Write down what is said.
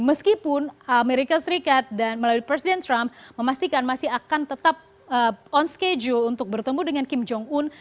meskipun amerika serikat dan melalui presiden trump memastikan masih akan tetap on schedule untuk bertemu dengan kim jong un